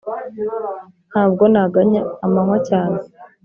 ntabwo naganya amanywa cyane